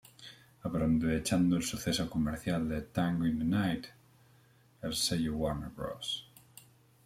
Aprovechando el suceso comercial de "Tango in the Night", el sello Warner Bros.